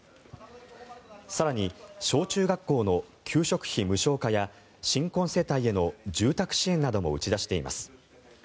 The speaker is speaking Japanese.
更に、小中学校の給食費無償化や新婚世帯への住宅支援なども打ち出しています。